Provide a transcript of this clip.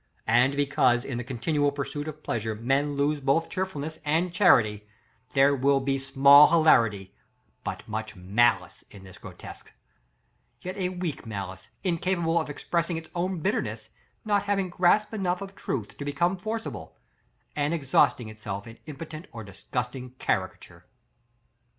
And because, in the continual pursuit of pleasure, men lose both cheerfulness and charity, there will be small hilarity, but much malice, in this grotesque; yet a weak malice, incapable of expressing its own bitterness, not having grasp enough of truth to become forcible, and exhausting itself in impotent or disgusting caricature.